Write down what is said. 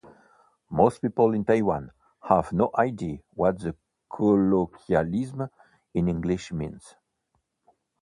Most people in Taiwan have no idea what the colloquialism in English means.